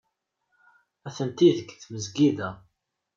Atenti deg tmesgida.